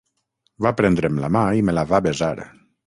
Va prendre'm la mà i me la va besar.